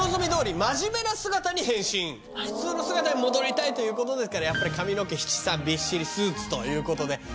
普通の姿に戻りたいということですから髪の毛七三びっしりスーツということで。